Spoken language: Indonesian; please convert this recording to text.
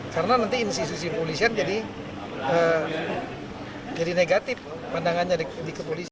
karena nanti institusi polisian jadi negatif pandangannya di kepolisian